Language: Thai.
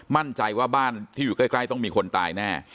มั่นใจว่าบ้านที่อยู่ใกล้ต้องมีคนตายแน่